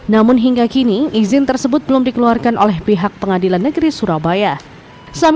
namun hingga kini izin tersebut belum dikeluarkan oleh pihak pengadilan negeri surabaya